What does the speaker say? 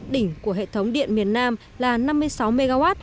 đỉnh của hệ thống điện miền nam là năm mươi sáu mw